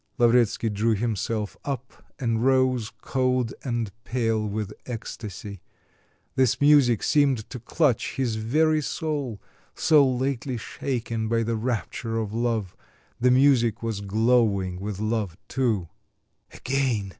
Lavretsky drew himself up, and rose cold and pale with ecstasy. This music seemed to clutch his very soul, so lately shaken by the rapture of love, the music was glowing with love too. "Again!"